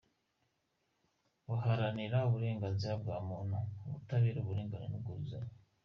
buharanira uburenganzira bwa muntu, ubutabera, uburinganire n’ubwuzuzanye.